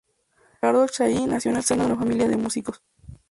Riccardo Chailly nació en el seno de una familia de músicos.